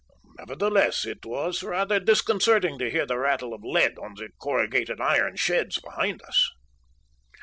Nevertheless, it was rather disconcerting to hear the rattle of lead on the corrugated iron sheds behind us.